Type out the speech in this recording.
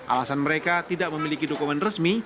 alasan mereka tidak memiliki dokumen resmi